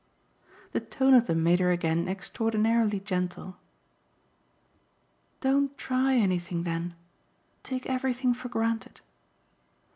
The tone of them made her again extraordinarily gentle. "Don't 'try' anything then. Take everything for granted."